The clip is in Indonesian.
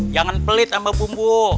jangan pelit sama bumbu